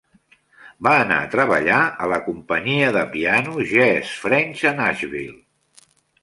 Va anar a treballar a la Companyia de Piano Jesse French a Nashville.